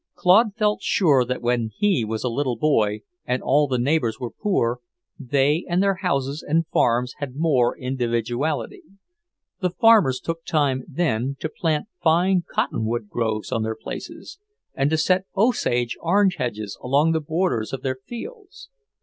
Claude felt sure that when he was a little boy and all the neighbours were poor, they and their houses and farms had more individuality. The farmers took time then to plant fine cottonwood groves on their places, and to set osage orange hedges along the borders of their fields.